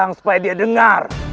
tolong supaya dia dengar